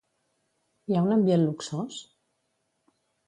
Hi ha un ambient luxós?